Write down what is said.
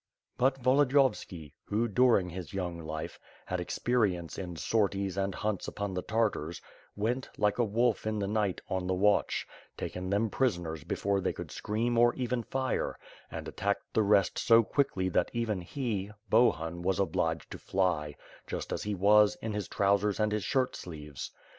But Volodiyovski, who during his young life, had exper ience in sorties and hunts upon the Tartars went, like a wolf in the night, ob the watch; taken them prisoners before they could scream or even fire; and attacked the rest so quickly that even he, Bohun was obliged to fly, just as he was, in his trousers and his shirt sleeves.